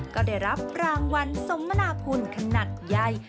ก็ได้รับรางวัลสมนาพลขนาดใหญ่